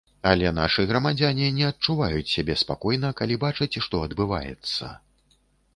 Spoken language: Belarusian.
Але нашы грамадзяне не адчуваюць сябе спакойна, калі бачаць, што адбываецца.